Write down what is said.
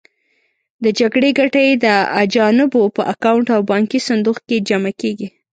د جګړې ګټه یې د اجانبو په اکاونټ او بانکي صندوق کې جمع کېږي.